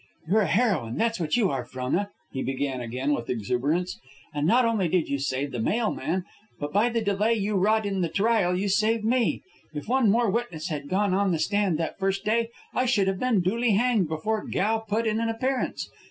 "You're a heroine, that's what you are, Frona," he began again, with exuberance. "And not only did you save the mail man, but by the delay you wrought in the trial you saved me. If one more witness had gone on the stand that first day, I should have been duly hanged before Gow put in an appearance.